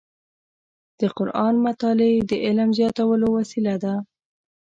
د قرآن مطالع د علم زیاتولو وسیله ده.